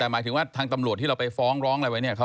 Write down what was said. แต่หมายถึงว่าทางตำรวจที่เราไปฟ้องร้องอะไรไว้เนี่ย